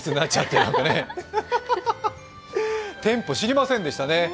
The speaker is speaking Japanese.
てんぽ、知りませんでしたね。